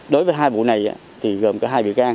đối với hai vụ này thì gồm cả hai bị can